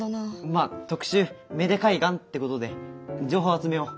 まあ特集芽出海岸ってことで情報集めよう。